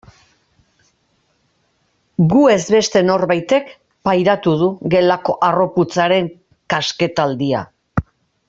Gu ez beste norbaitek pairatu du gelako harroputzaren kasketaldia.